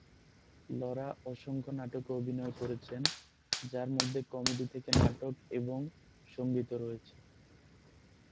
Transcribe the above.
Laura অসংখ্য নাটকে অভিনয় করেছেন, যার মধ্যে কমেডি থেকে নাটক এবং সঙ্গীতও রয়েছে।